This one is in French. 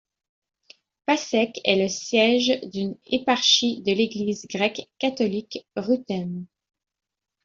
Passaic est le siège d'une éparchie de l'Église grecque-catholique ruthène.